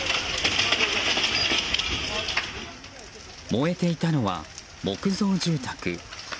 燃えていたのは、木造住宅。